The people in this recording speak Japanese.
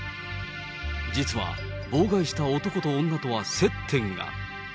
実は妨害した男と女とは接点が。